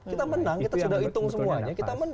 kita menang kita sudah hitung semuanya kita menang